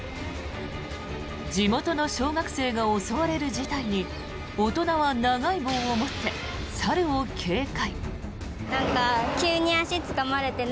地元の小学生が襲われる事態に大人は長い棒を持って猿を警戒。